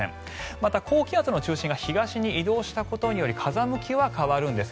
また、高気圧の中心が東に移動したことにより風向きは変わるんです。